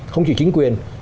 không chỉ chính quyền